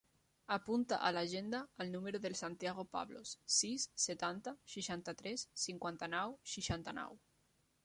Apunta a l'agenda el número del Santiago Pablos: sis, setanta, seixanta-tres, cinquanta-nou, seixanta-nou.